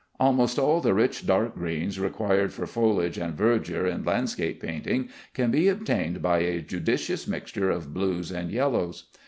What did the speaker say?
Almost all the rich dark greens required for foliage and verdure in landscape painting can be obtained by a judicious mixture of blues and yellows.